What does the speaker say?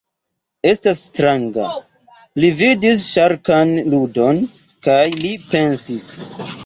Estas stranga. Li vidis ŝarkan ludon, kaj li pensis: